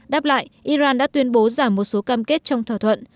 đáp lại iran đã tuyên bố giảm một số cam kết trong thỏa thuận